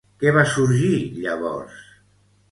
Què va sorgir llavors?